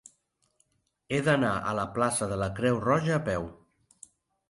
He d'anar a la plaça de la Creu Roja a peu.